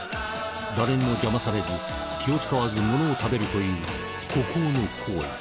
誰にも邪魔されず気を遣わずものを食べるという孤高の行為。